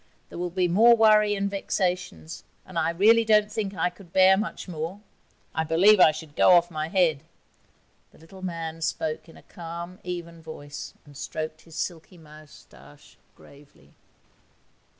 There will be more worry and vexations, and I really don't think I could bear much more; I believe I should go off my head.' The little man spoke in a calm, even voice, and stroked his silky moustache gravely.